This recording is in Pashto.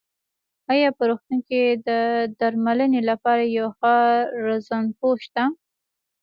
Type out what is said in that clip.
ايا په روغتون کې د درمنلې لپاره يو ښۀ رنځپوۀ شته؟